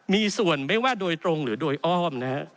มีส่วนไม่ว่าโดยตรงหรือโดยอ้อมนะฮะ